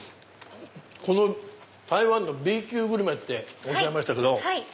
台湾のＢ級グルメっておっしゃいましたけど。